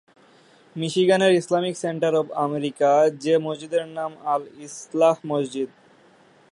মিশিগানের Islamic centre of America যে মসজিদের নাম আল-ইসলাহ মসজিদ।